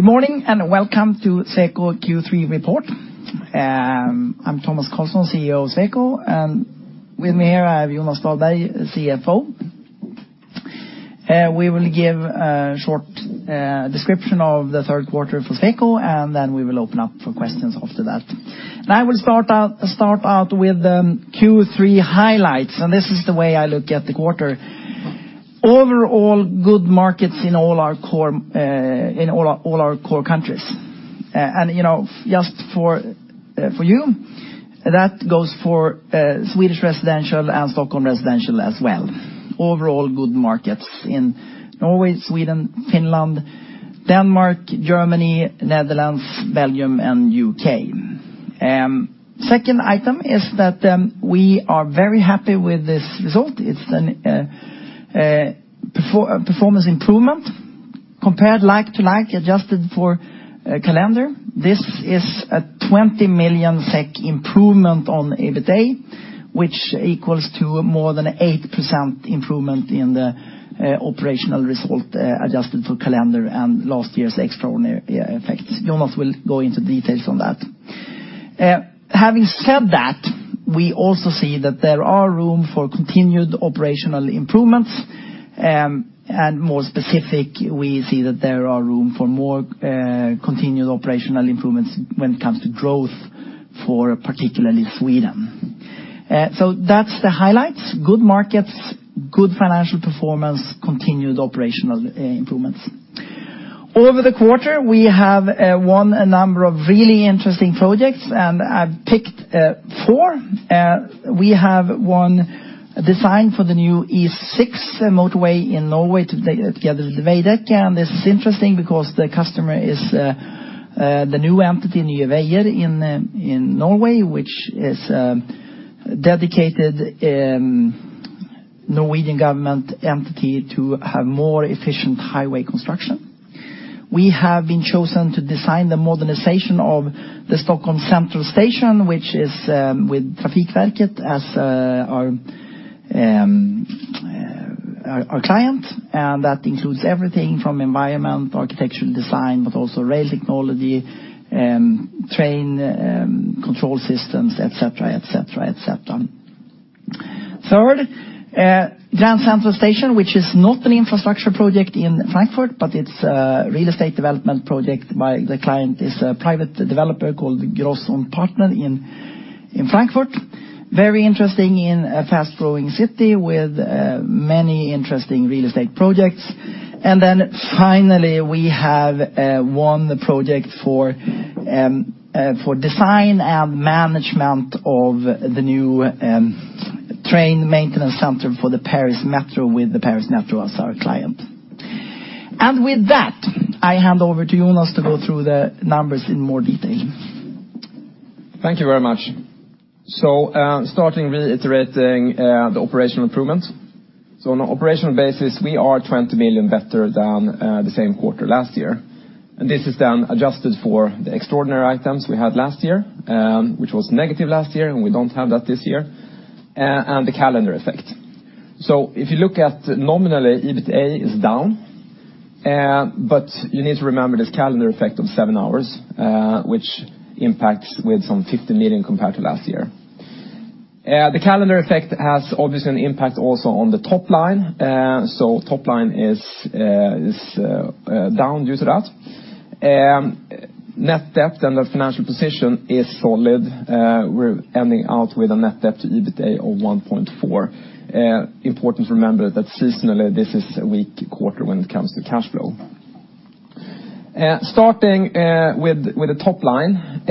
Good morning, and welcome to Sweco Q3 report. I'm Tomas Carlsson, CEO of Sweco, and with me here, I have Jonas Dahlberg, CFO. We will give a short description of the third quarter for Sweco, and then we will open up for questions after that. And I will start out with the Q3 highlights, and this is the way I look at the quarter. Overall, good markets in all our core countries. And, you know, just for you, that goes for Swedish residential and Stockholm residential as well. Overall, good markets in Norway, Sweden, Finland, Denmark, Germany, Netherlands, Belgium, and UK. Second item is that we are very happy with this result. It's a performance improvement compared like to like, adjusted for calendar. This is a 20 million SEK improvement on EBITA, which equals to more than 8% improvement in the operational result, adjusted to calendar and last year's extraordinary effects. Jonas will go into details on that. Having said that, we also see that there are room for continued operational improvements, and more specific, we see that there are room for more continued operational improvements when it comes to growth for particularly Sweden. So that's the highlights: good markets, good financial performance, continued operational improvements. Over the quarter, we have won a number of really interesting projects, and I've picked four. We have won design for the new E6 motorway in Norway together with Veidekke, and this is interesting because the customer is the new entity, Nye Veier, in Norway, which is dedicated Norwegian government entity to have more efficient highway construction. We have been chosen to design the modernization of the Stockholm Central Station, which is with Trafikverket as our client, and that includes everything from environment, architectural design, but also rail technology, train control systems, et cetera, et cetera, et cetera. Third, Grand Central Station, which is not an infrastructure project in Frankfurt, but it's a real estate development project by the client, is a private developer called Groß & Partner in Frankfurt. Very interesting in a fast-growing city with many interesting real estate projects. And then finally, we have won the project for design and management of the new train maintenance center for the Paris Metro with the Paris Metro as our client. And with that, I hand over to Jonas to go through the numbers in more detail. Thank you very much. So, starting reiterating, the operational improvement. So on an operational basis, we are 20 million better than, the same quarter last year, and this is then adjusted for the extraordinary items we had last year, which was negative last year, and we don't have that this year, and the calendar effect. So if you look at nominally, EBITA is down, but you need to remember this calendar effect of 7 hours, which impacts with some 50 million compared to last year. The calendar effect has obviously an impact also on the top line, so top line is down due to that. Net debt and the financial position is solid. We're ending out with a net debt to EBITA of 1.4. Important to remember that seasonally, this is a weak quarter when it comes to cash flow. Starting with the top line,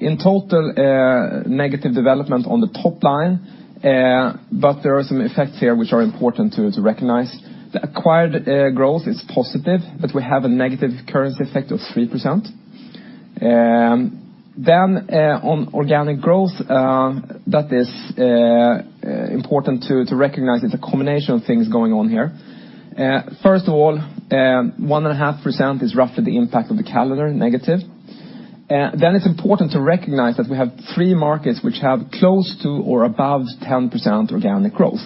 in total, negative development on the top line, but there are some effects here which are important to recognize. The acquired growth is positive, but we have a negative currency effect of 3%. Then, on organic growth, that is important to recognize it's a combination of things going on here. First of all, 1.5% is roughly the impact of the calendar, negative. Then it's important to recognize that we have three markets which have close to or above 10% organic growth.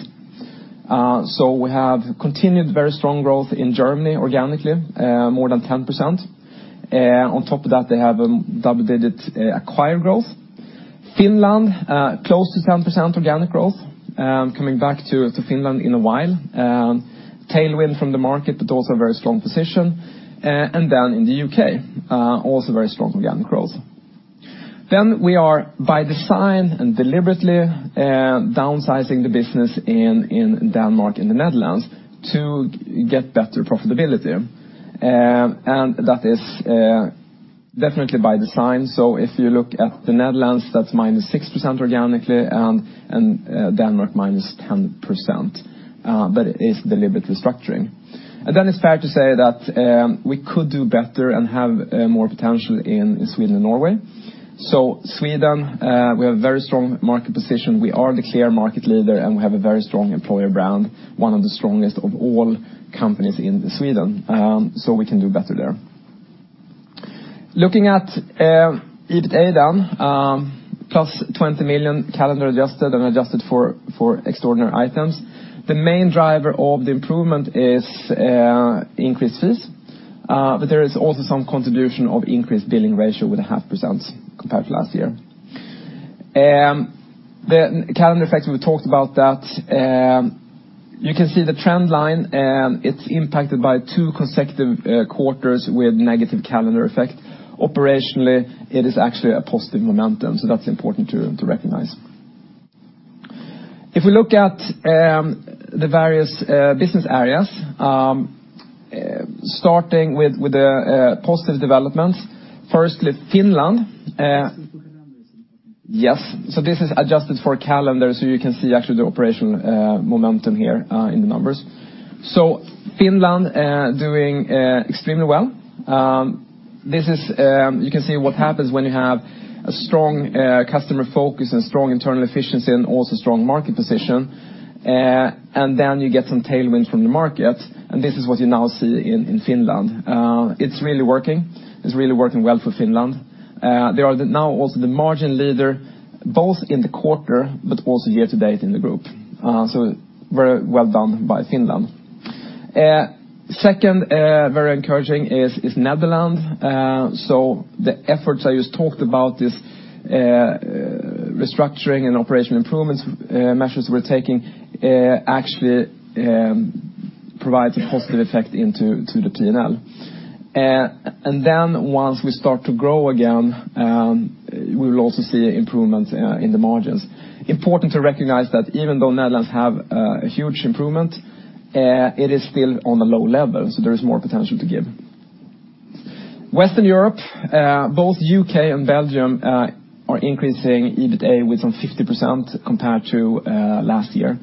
So we have continued very strong growth in Germany, organically, more than 10%. On top of that, they have a double-digit acquired growth. Finland close to 10% organic growth, coming back to Finland in a while. Tailwind from the market, but also a very strong position. And then in the U.K, also very strong organic growth. Then we are, by design and deliberately, downsizing the business in Denmark and the Netherlands to get better profitability. And that is definitely by design. So if you look at the Netherlands, that's -6% organically, and Denmark, -10%, but it is deliberate restructuring. And then it's fair to say that we could do better and have more potential in Sweden and Norway. So Sweden, we have a very strong market position. We are the clear market leader, and we have a very strong employer brand, one of the strongest of all companies in Sweden, so we can do better there. Looking at, EBITA down, +20 million calendar adjusted and adjusted for, for extraordinary items. The main driver of the improvement is, increased fees, but there is also some contribution of increased billing ratio with a 0.5% compared to last year. The calendar effects, we talked about that. You can see the trend line, and it's impacted by two consecutive quarters with negative calendar effect. Operationally, it is actually a positive momentum, so that's important to, to recognize. If we look at the various business areas, starting with the positive developments, firstly, Finland. Yes, so this is adjusted for calendar, so you can see actually the operational momentum here in the numbers. So Finland doing extremely well. This is, you can see what happens when you have a strong customer focus and strong internal efficiency and also strong market position. And then you get some tailwind from the market, and this is what you now see in Finland. It's really working. It's really working well for Finland. They are now also the margin leader, both in the quarter but also year to date in the group. So very well done by Finland. Second, very encouraging is Netherlands. So the efforts I just talked about, this, restructuring and operational improvements, measures we're taking, actually, provide a positive effect into, to the P&L. And then once we start to grow again, we will also see improvement, in the margins. Important to recognize that even though Netherlands have a, a huge improvement, it is still on a low level, so there is more potential to give. Western Europe, both U.K. and Belgium, are increasing EBITDA with some 50% compared to, last year,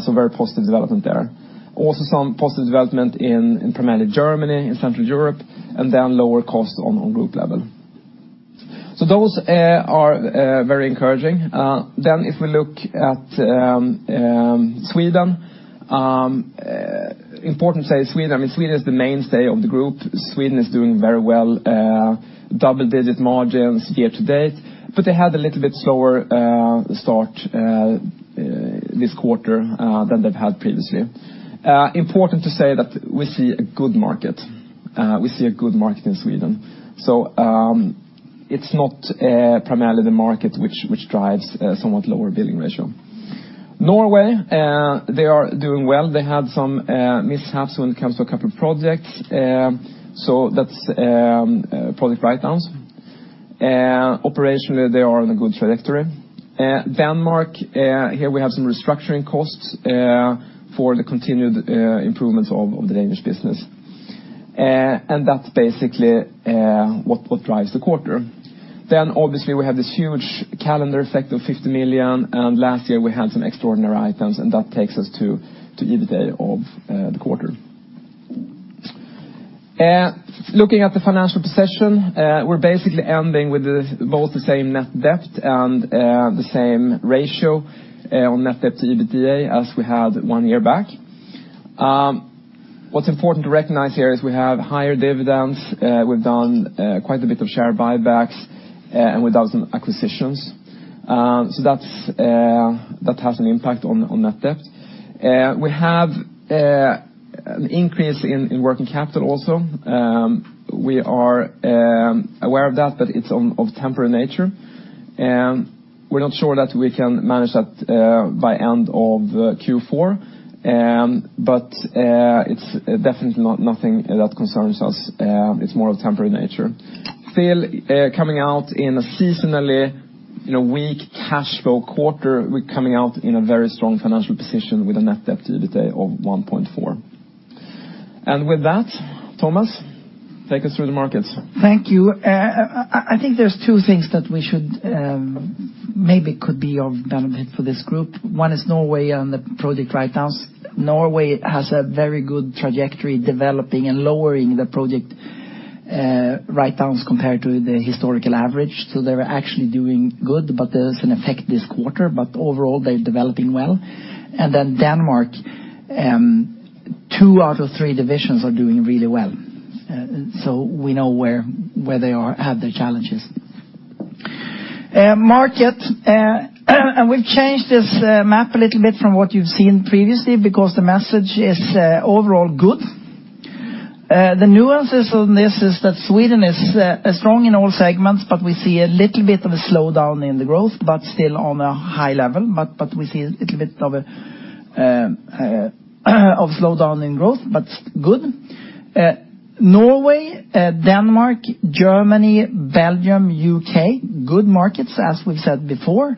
so very positive development there. Also, some positive development in, primarily Germany, in Central Europe, and then lower costs on group level. So those are, very encouraging. Then if we look at, Sweden, important to say Sweden, I mean, Sweden is the mainstay of the group. Sweden is doing very well, double-digit margins year to date, but they had a little bit slower start this quarter than they've had previously. Important to say that we see a good market. We see a good market in Sweden, so it's not primarily the market which drives a somewhat lower billing ratio. Norway, they are doing well. They had some mishaps when it comes to a couple projects, so that's project write-downs. Operationally, they are on a good trajectory. Denmark, here we have some restructuring costs for the continued improvements of the Danish business. And that's basically what drives the quarter. Then obviously, we have this huge calendar effect of 50 million, and last year we had some extraordinary items, and that takes us to EBITDA of the quarter. Looking at the financial position, we're basically ending with both the same net debt and the same ratio on net debt to EBITDA as we had one year back. What's important to recognize here is we have higher dividends; we've done quite a bit of share buybacks, and we've done some acquisitions. So that has an impact on net debt. We have an increase in working capital also. We are aware of that, but it's of temporary nature, and we're not sure that we can manage that by end of Q4. But it's definitely not nothing that concerns us. It's more of temporary nature. Still, coming out in a seasonally, you know, weak cash flow quarter, we're coming out in a very strong financial position with a net debt to EBITA of 1.4. And with that, Thomas, take us through the markets. Thank you. I think there's two things that we should maybe could be of benefit for this group. One is Norway and the project write-downs. Norway has a very good trajectory developing and lowering the project write-downs compared to the historical average, so they're actually doing good. There's an effect this quarter. Overall, they're developing well. Denmark, two out of three divisions are doing really well. We know where they are, have their challenges. Market, and we've changed this map a little bit from what you've seen previously because the message is overall good. The nuances on this is that Sweden is strong in all segments, but we see a little bit of a slowdown in the growth, but still on a high level. We see a little bit of a slowdown in growth, but good. Norway, Denmark, Germany, Belgium, U.K., good markets, as we've said before,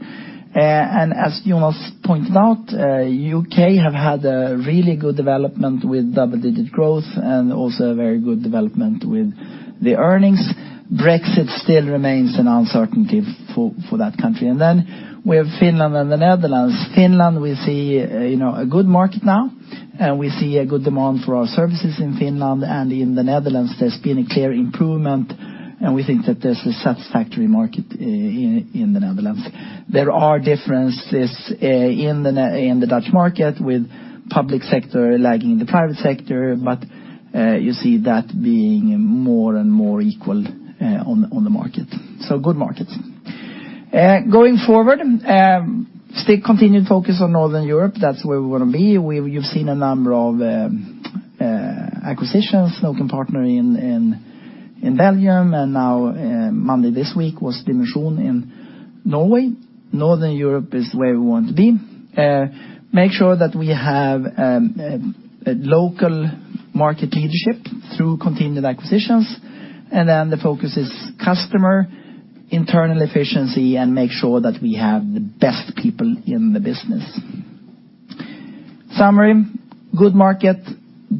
and as Jonas pointed out, UK have had a really good development with double-digit growth and also a very good development with the earnings. Brexit still remains an uncertainty for that country. And then we have Finland and the Netherlands. Finland, we see, you know, a good market now, and we see a good demand for our services in Finland, and in the Netherlands, there's been a clear improvement, and we think that there's a satisfactory market in the Netherlands. There are differences in the Dutch market with public sector lagging the private sector, but you see that being more and more equal on the market. So good markets.... Going forward, still continued focus on Northern Europe, that's where we want to be. You've seen a number of acquisitions, local partner in Belgium, and now, Monday, this week was Dimensjon in Norway. Northern Europe is where we want to be. Make sure that we have a local market leadership through continued acquisitions, and then the focus is customer, internal efficiency, and make sure that we have the best people in the business. Summary: good market,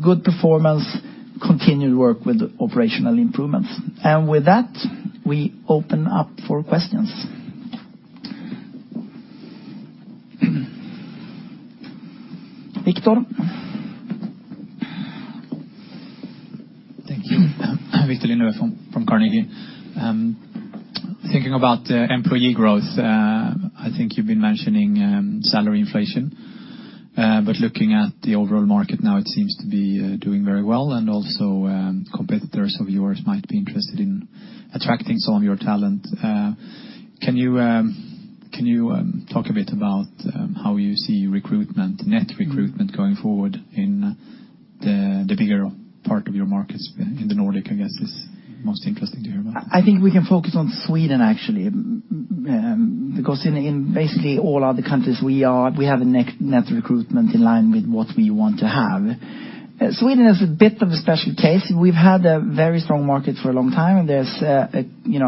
good performance, continued work with operational improvements. And with that, we open up for questions. Victor? Thank you. Victor Lindeberg from Carnegie. Thinking about employee growth, I think you've been mentioning salary inflation, but looking at the overall market now, it seems to be doing very well, and also, competitors of yours might be interested in attracting some of your talent. Can you talk a bit about how you see recruitment, net recruitment going forward in the bigger part of your markets in the Nordic, I guess, is most interesting to hear about? I think we can focus on Sweden, actually. Because in basically all other countries, we have a net recruitment in line with what we want to have. Sweden is a bit of a special case. We've had a very strong market for a long time, and there's you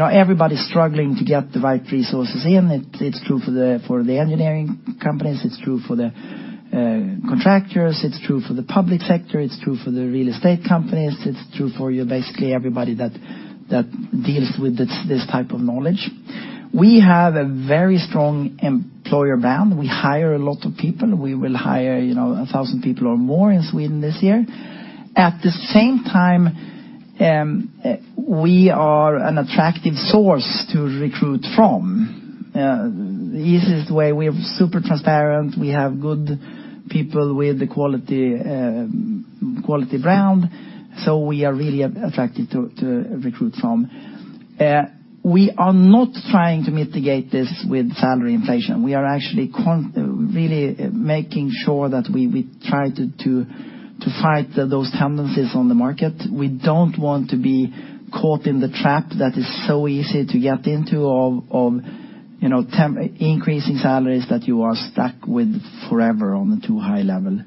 know everybody's struggling to get the right resources in. It's true for the engineering companies, it's true for the contractors, it's true for the public sector, it's true for the real estate companies, it's true for basically everybody that deals with this type of knowledge. We have a very strong employer brand. We hire a lot of people. We will hire, you know, 1,000 people or more in Sweden this year. At the same time, we are an attractive source to recruit from. The easiest way, we are super transparent, we have good people with the quality, quality brand, so we are really attractive to recruit from. We are not trying to mitigate this with salary inflation. We are actually really making sure that we try to fight those tendencies on the market. We don't want to be caught in the trap that is so easy to get into of, you know, increasing salaries that you are stuck with forever on a too high level,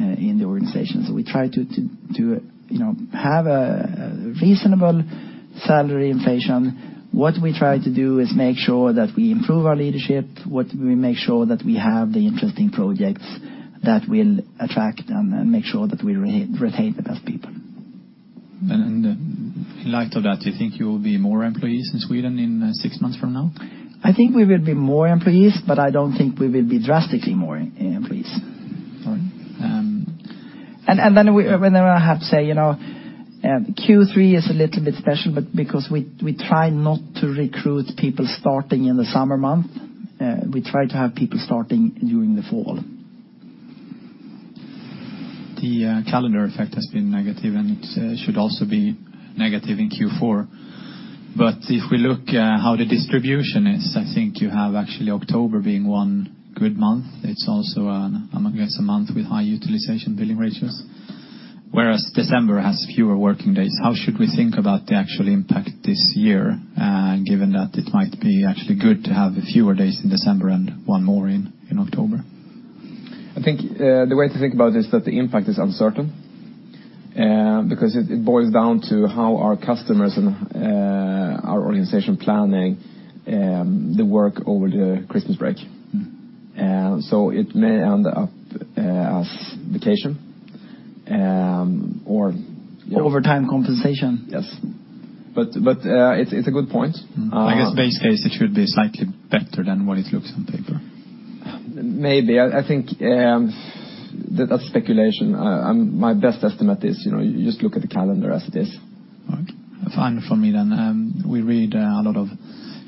in the organization. So we try to, you know, have a reasonable salary inflation. What we try to do is make sure that we improve our leadership, what we make sure that we have the interesting projects that will attract and make sure that we retain the best people. In light of that, do you think you will be more employees in Sweden in six months from now? I think we will be more employees, but I don't think we will be drastically more employees. All right, I have to say, you know, Q3 is a little bit special, but because we try not to recruit people starting in the summer month. We try to have people starting during the fall. The calendar effect has been negative, and it should also be negative in Q4. But if we look at how the distribution is, I think you have actually October being one good month. It's also, I guess, a month with high utilization billing ratios, whereas December has fewer working days. How should we think about the actual impact this year, given that it might be actually good to have fewer days in December and one more in October? I think the way to think about it is that the impact is uncertain, because it, it boils down to how our customers and our organization planning the work over the Christmas break. Mm-hmm. So it may end up as vacation or- Overtime compensation. Yes. But, it's a good point. I guess base case, it should be slightly better than what it looks on paper. Maybe. I think that's speculation. My best estimate is, you know, you just look at the calendar as it is. All right. Fine for me then. We read a lot of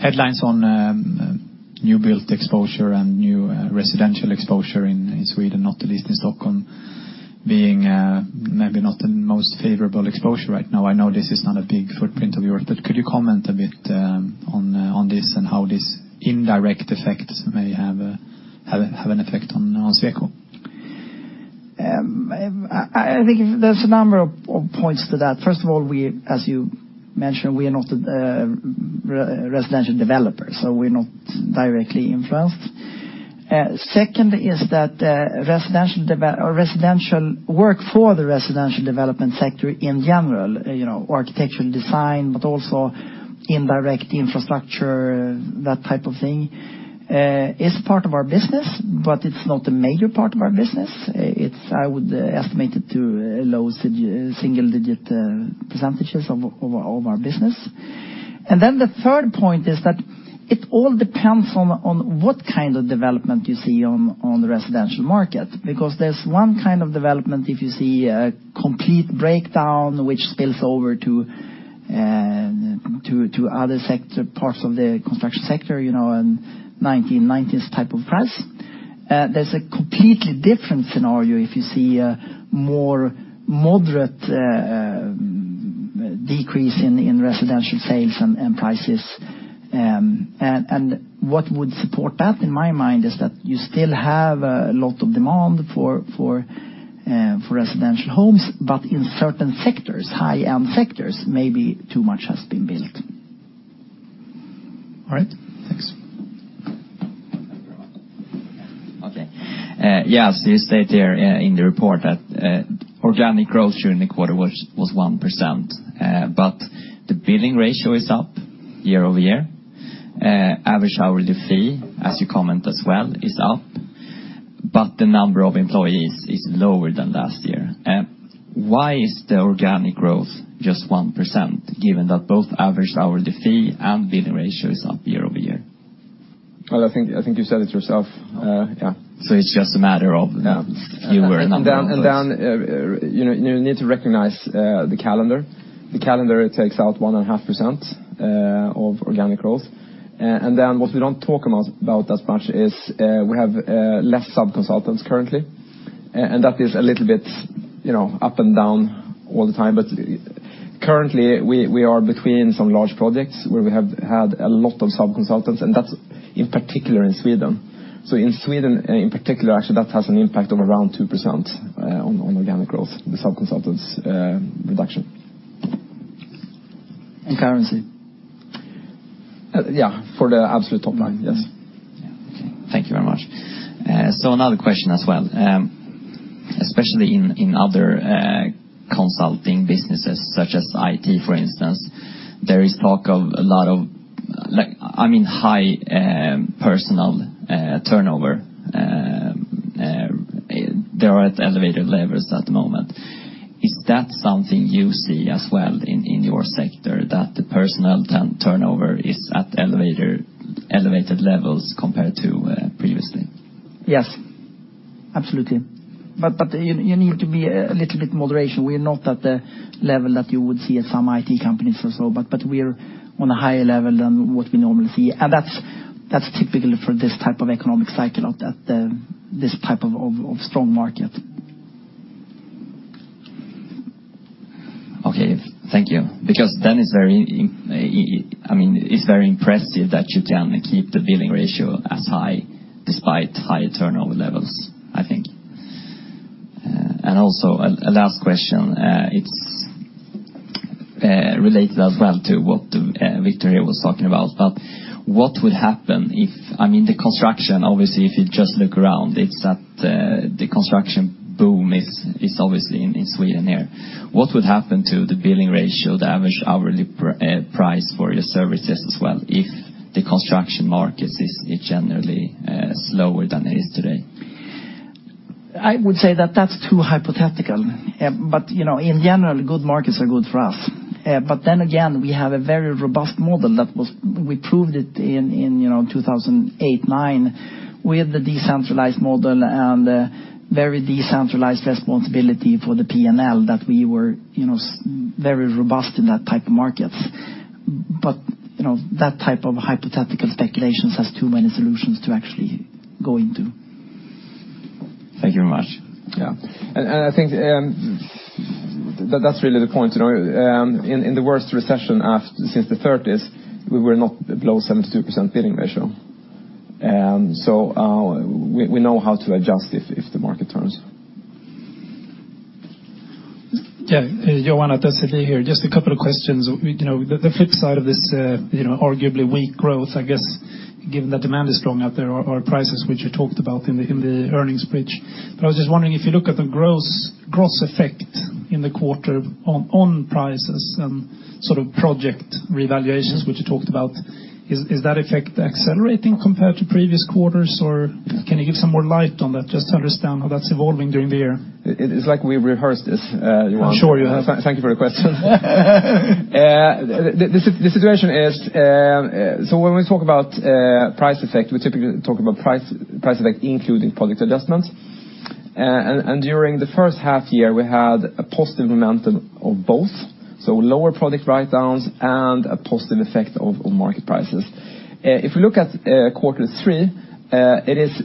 headlines on new built exposure and new residential exposure in Sweden, not the least in Stockholm, being maybe not the most favorable exposure right now. I know this is not a big footprint of yours, but could you comment a bit on this, and how this indirect effect may have an effect on Sweco? I think there's a number of points to that. First of all, we, as you mentioned, we are not a residential developer, so we're not directly influenced. Second is that residential work for the residential development sector in general, you know, architectural design, but also indirect infrastructure, that type of thing, is part of our business, but it's not a major part of our business. It's, I would estimate it to a low single digit percentages of our business. And then the third point is that it all depends on what kind of development you see on the residential market, because there's one kind of development if you see a complete breakdown which spills over to... to other sectors, parts of the construction sector, you know, and 1990s type of price. There's a completely different scenario if you see a more moderate decrease in residential sales and prices. And what would support that, in my mind, is that you still have a lot of demand for residential homes, but in certain sectors, high-end sectors, maybe too much has been built. All right, thanks. Okay, yeah, as you state there, in the report that organic growth during the quarter was 1%, but the billing ratio is up year-over-year. Average hourly fee, as you comment as well, is up, but the number of employees is lower than last year. Why is the organic growth just 1%, given that both average hourly fee and billing ratio is up year-over-year? Well, I think, I think you said it yourself, yeah. It's just a matter of- Yeah. Fewer numbers. Then, you know, you need to recognize the calendar. The calendar, it takes out 1.5% of organic growth. And then what we don't talk about as much is, we have less sub-consultants currently, and that is a little bit, you know, up and down all the time. But currently, we are between some large projects where we have had a lot of sub-consultants, and that's in particular in Sweden. So in Sweden, in particular, actually, that has an impact of around 2% on organic growth, the sub-consultants reduction. And currency. Yeah, for the absolute top line, yes. Yeah. Okay, thank you very much. So another question as well. Especially in other consulting businesses, such as IT, for instance, there is talk of a lot of like... I mean, high personal turnover, they are at elevated levels at the moment. Is that something you see as well in your sector, that the personnel turnover is at elevated levels compared to previously? Yes, absolutely. But you need to be a little bit moderate. We are not at the level that you would see at some IT companies or so, but we're on a higher level than what we normally see, and that's typical for this type of economic cycle of this type of strong market. Okay. Thank you. Because then it's very, I mean, it's very impressive that you can keep the billing ratio as high despite high turnover levels, I think. And also, a last question, it's related as well to what Victor here was talking about, but what would happen if, I mean, the construction, obviously, if you just look around, it's at the construction boom is obviously in Sweden here. What would happen to the billing ratio, the average hourly price for your services as well, if the construction market is generally slower than it is today? I would say that that's too hypothetical, but, you know, in general, good markets are good for us. But then again, we have a very robust model that was... We proved it in, in, you know, 2008, 2009. We had the decentralized model and a very decentralized responsibility for the P&L that we were, you know, very robust in that type of markets. But, you know, that type of hypothetical speculations has too many solutions to actually go into. Thank you very much. Yeah. And I think that that's really the point, you know. In the worst recession since the thirties, we were not below 72% billing ratio. So we know how to adjust if the market turns. Tom, Jonas, Arthur from Citi here. Just a couple of questions. You know, the flip side of this, you know, arguably weak growth, I guess, given that demand is strong out there, are prices, which you talked about in the earnings bridge. But I was just wondering, if you look at the gross effect in the quarter on prices and sort of project revaluations, which you talked about, is that effect accelerating compared to previous quarters, or can you give some more light on that, just to understand how that's evolving during the year? It's like we rehearsed this, Johan. I'm sure you have. Thank you for the question. The situation is, when we talk about price effect, we typically talk about price effect including product adjustments. During the first half year, we had a positive momentum of both, so lower product write-downs and a positive effect on market prices. If you look at quarter three, it is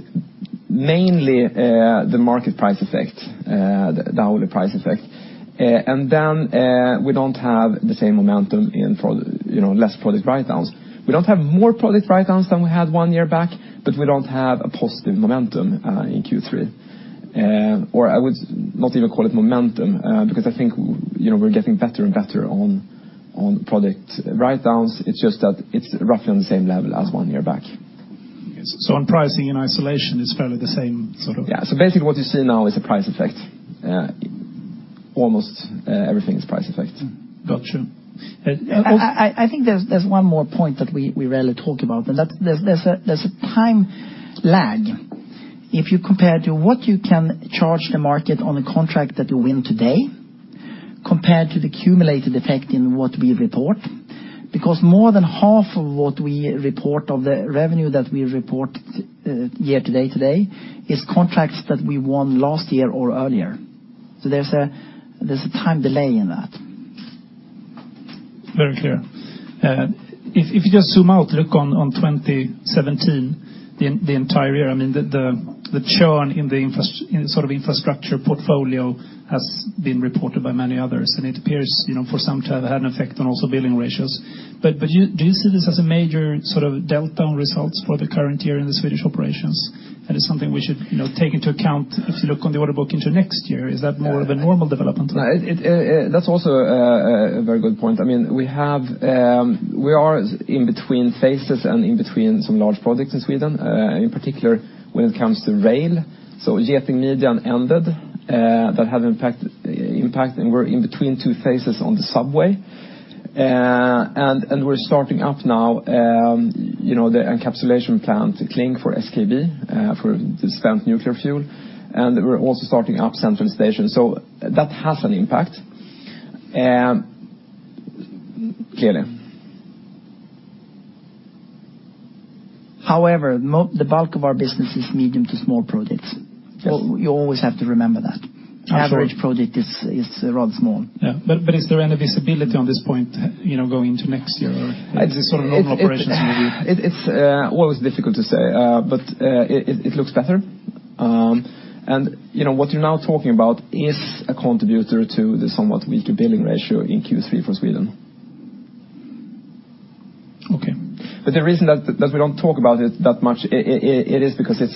mainly the market price effect, the hourly price effect, and then we do not have the same momentum in, you know, less product write-downs. We do not have more product write-downs than we had one year back, but we do not have a positive momentum in Q3. I would not even call it momentum, because I think, you know, we are getting better and better on product write-downs. It's just that it's roughly on the same level as one year back. On pricing in isolation, it's fairly the same sort of- Yeah. So basically what you see now is a price effect. Almost everything is price effect. Gotcha. Also- I think there's one more point that we rarely talk about, and that there's a time lag. If you compare to what you can charge the market on a contract that you win today, compared to the cumulative effect in what we report, because more than half of what we report, of the revenue that we report, year-to-date today, is contracts that we won last year or earlier. So there's a time delay in that. Very clear. If you just zoom out, look on 2017, the entire year, I mean, the churn in the infrastructure portfolio has been reported by many others, and it appears, you know, for some to have had an effect on also billing ratios. But do you see this as a major sort of delta on results for the current year in the Swedish operations? And it's something we should, you know, take into account if you look on the order book into next year, is that more of a normal development? That's also a very good point. I mean, we are in between phases and in between some large projects in Sweden, in particular when it comes to rail. So Citybanan ended, that had impact, and we're in between two phases on the subway. And we're starting up now, you know, the encapsulation plant, Clink, for SKB, for the spent nuclear fuel, and we're also starting up Central Station. So that has an impact, clearly. However, the bulk of our business is medium to small projects. Yes. You always have to remember that. Absolutely. Average project is rather small. Yeah, but, but is there any visibility on this point, you know, going into next year? Or is this sort of normal operations maybe? It's always difficult to say, but it looks better. And, you know, what you're now talking about is a contributor to the somewhat weaker billing ratio in Q3 for Sweden. Okay. But the reason that we don't talk about it that much, it is because it's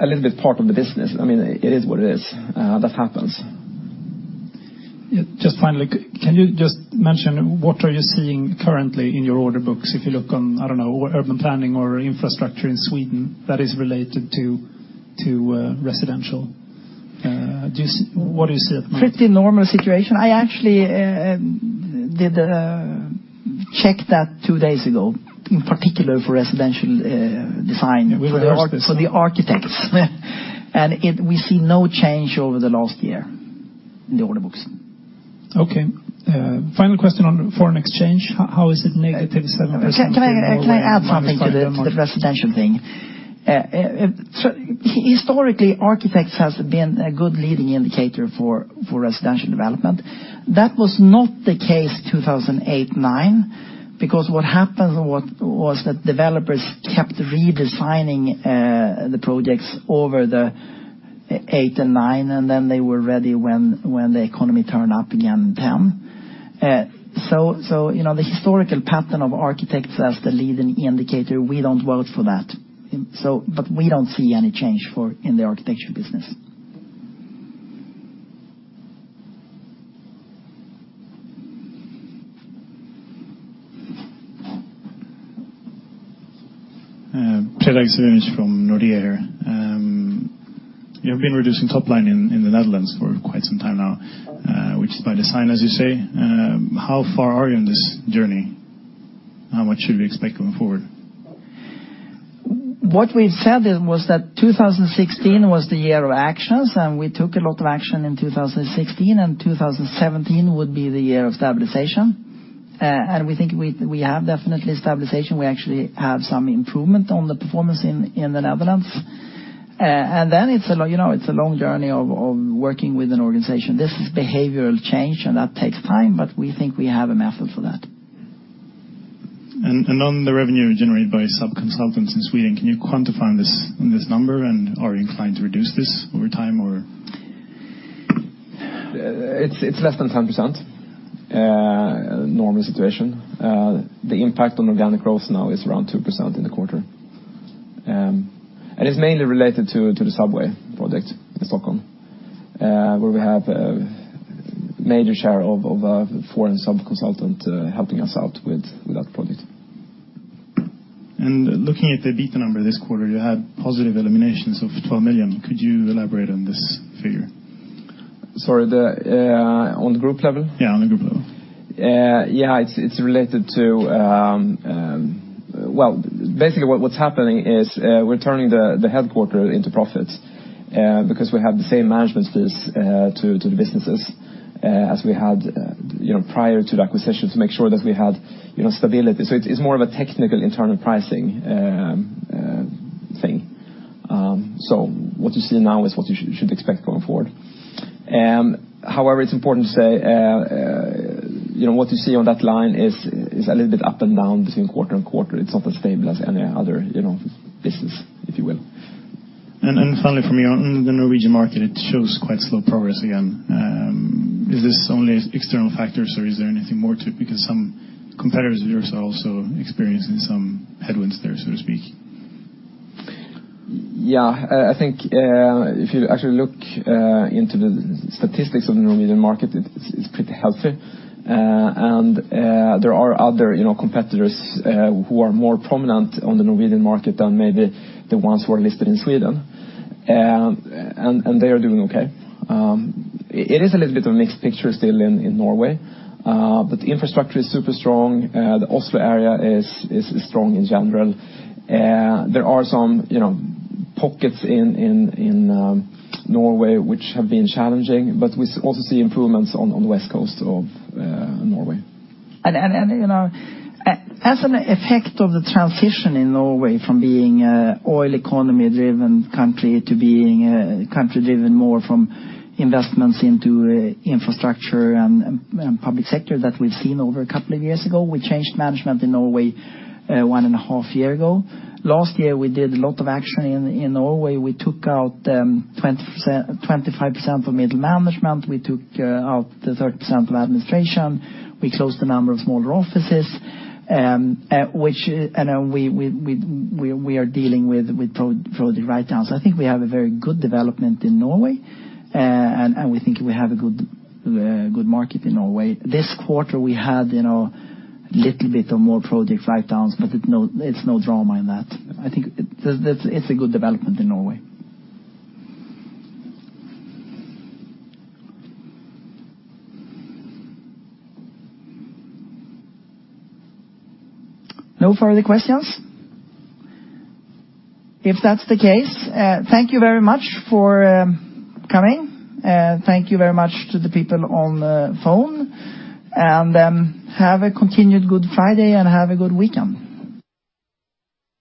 a little bit part of the business. I mean, it is what it is. That happens. Yeah, just finally, can you just mention what are you seeing currently in your order books? If you look on, I don't know, urban planning or infrastructure in Sweden that is related to residential, do you see... What do you see at the moment? Pretty normal situation. I actually did check that two days ago, in particular for residential design- Yeah, we looked at this. for the architects. And it, we see no change over the last year in the order books. Okay. Final question on foreign exchange. How, how is it negative 7%? Can I add something to the residential thing? So historically, architects has been a good leading indicator for residential development. That was not the case 2008, 2009, because what happened was that developers kept redesigning the projects over the 08 and 09, and then they were ready when the economy turned up again in 10. So, you know, the historical pattern of architects as the leading indicator, we don't vote for that. So, but we don't see any change in the architecture business. Raymond Ke from Nordea. You've been reducing top line in, in the Netherlands for quite some time now, which is by design, as you say. How far are you in this journey? How much should we expect going forward? What we've said is, was that 2016 was the year of actions, and we took a lot of action in 2016, and 2017 would be the year of stabilization. And we think we have definitely stabilization. We actually have some improvement on the performance in the Netherlands. And then you know, it's a long journey of working with an organization. This is behavioral change, and that takes time, but we think we have a method for that. On the revenue generated by sub-consultants in Sweden, can you quantify this number? And are you inclined to reduce this over time, or? It's less than 10%, normal situation. The impact on organic growth now is around 2% in the quarter. And it's mainly related to the subway project in Stockholm, where we have a major share of a foreign sub-consultant helping us out with that project. Looking at the EBITA number this quarter, you had positive eliminations of 12 million. Could you elaborate on this figure? Sorry, on the group level? Yeah, on the group level. Yeah, it's related to, well, basically, what's happening is, we're turning the headquarters into profit, because we have the same management as to the businesses, as we had, you know, prior to the acquisition, to make sure that we had, you know, stability. So it's more of a technical, internal pricing thing. So what you see now is what you should expect going forward. However, it's important to say, you know, what you see on that line is a little bit up and down between quarter and quarter. It's not as stable as any other, you know, business, if you will. And finally for me, on the Norwegian market, it shows quite slow progress again. Is this only external factors, or is there anything more to it? Because some competitors of yours are also experiencing some headwinds there, so to speak. Yeah, I think if you actually look into the statistics of the Norwegian market, it's pretty healthy. There are other, you know, competitors who are more prominent on the Norwegian market than maybe the ones who are listed in Sweden, and they are doing okay. It is a little bit of a mixed picture still in Norway, but the infrastructure is super strong. The Oslo area is strong in general. There are some, you know, pockets in Norway which have been challenging, but we also see improvements on the west coast of Norway. You know, as an effect of the transition in Norway from being an oil economy-driven country to being a country driven more from investments into infrastructure and public sector that we've seen over a couple of years ago, we changed management in Norway one and a half years ago. Last year, we did a lot of action in Norway. We took out 25% of middle management. We took out 30% of administration. We closed a number of smaller offices, and we are dealing with project write-downs. So I think we have a very good development in Norway, and we think we have a good market in Norway. This quarter, we had, you know, little bit of more project write-downs, but it's no, it's no drama in that. I think it, that's, it's a good development in Norway. No further questions? If that's the case, thank you very much for coming, and thank you very much to the people on the phone, and have a continued good Friday, and have a good weekend.